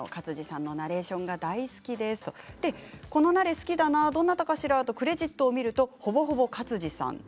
このナレーション好きだなどなたかな？とクレジットを見ると、ほぼほぼ勝地さん。